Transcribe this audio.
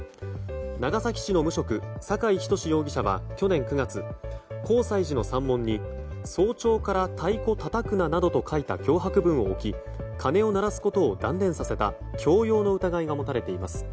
長崎市の無職、酒井仁容疑者は去年９月、広済寺の山門に早朝から太鼓たたくななどと書いた脅迫文を置き鐘を鳴らすことを断念させた強要の疑いが持たれています。